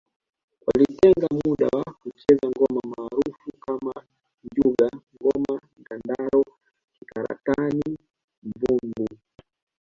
Walitenga muda wa kucheza ngoma maarufu kama njuga ngoma dandaro kikaratana mvungu